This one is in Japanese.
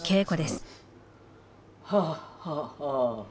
はっはっはっは。